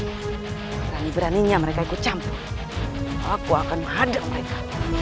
berani beraninya mereka ikut campur aku akan menghadap mereka